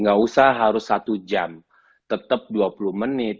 nggak usah harus satu jam tetap dua puluh menit